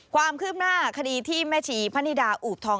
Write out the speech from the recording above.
ความคืบหน้าคดีที่แม่ชีพะนิดาอูบทอง